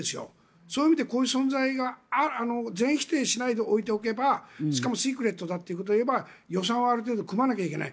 そういう意味でこういう存在が全否定しないでおけばしかもシークレットだということで言えば予算をある程度組まないといけない。